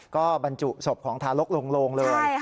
ก็บรรจุศพของทารกลงเลย